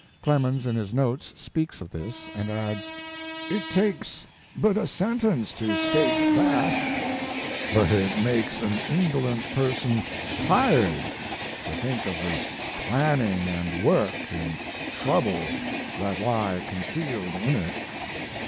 Clemens, in his notes, speaks of this and adds: It takes but a sentence to state that, but it makes an indolent person tired to think of the planning & work and trouble that lie concealed in it.